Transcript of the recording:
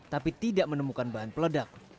tapi tidak menemukan bahan peledak